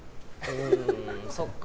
うーん、そっか。